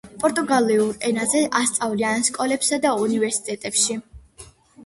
პორტუგალიურ ენაზე ასწავლიან სკოლებსა და უნივერსიტეტებში.